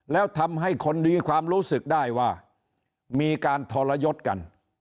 แล้วทำให้คนมีความรู้สึกได้ว่ามีการทรยศกัน